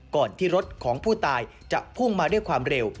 ก่อนที่รถของผู้ตายจะพุ่งมาด้วยความเร็ว